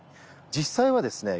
実際はですね